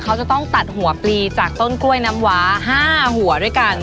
เขาจะต้องตัดหัวปลีจากต้นกล้วยน้ำว้า๕หัวด้วยกัน